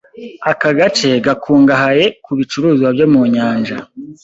Aka gace gakungahaye ku bicuruzwa byo mu nyanja.